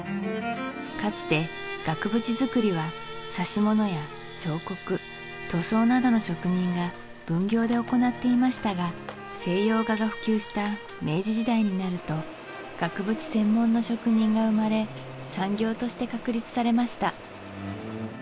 かつて額縁づくりは指物や彫刻塗装などの職人が分業で行っていましたが西洋画が普及した明治時代になると額縁専門の職人が生まれ産業として確立されました